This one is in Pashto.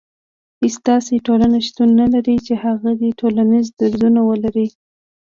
هيڅ داسي ټولنه شتون نه لري چي هغه دي ټولنيز درځونه ونلري